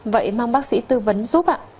vậy mong bác sĩ tư vấn giúp ạ